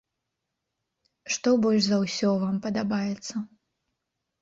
Што больш за ўсё вам падабаецца?